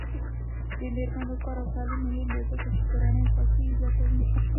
د میرمنو کار او تعلیم مهم دی ځکه چې کورنۍ خوښۍ زیاتوي.